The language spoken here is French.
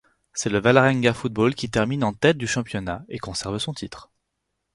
C'est le Vålerenga Fotball qui termine en tête du championnat et conserve son titre.